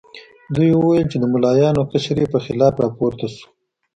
دوی وویل چې د ملایانو قشر یې په خلاف راپورته شو.